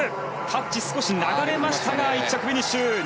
タッチ、少し流れましたが１着フィニッシュ。